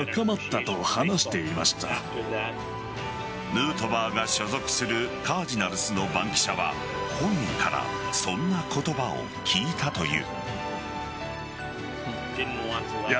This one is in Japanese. ヌートバーが所属するカージナルスの番記者は本人からそんな言葉を聞いたという。